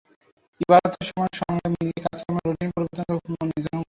ইবাদতের সময়ের সঙ্গে মিলিয়ে কাজকর্মের রুটিন পরিবর্তন করে পুনর্নির্ধারণ করতে হবে।